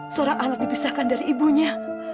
seorang anak dipisahkan dari ibunya